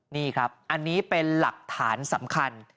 นี่ครับอันนี้เป็นหลักฐานสำคัญ